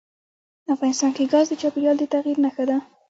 افغانستان کې ګاز د چاپېریال د تغیر نښه ده.